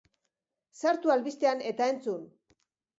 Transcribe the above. Sartu albistean eta entzun!